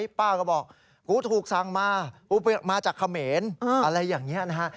ป้าก็บอกกูถูกสั่งมากูมาจากเขมรอะไรอย่างนี้นะฮะ